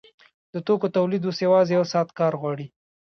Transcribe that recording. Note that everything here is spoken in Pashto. د توکو تولید اوس یوازې یو ساعت کار غواړي